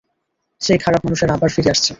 সেই খারাপ মানুষেরা আবার ফিরে আসছে।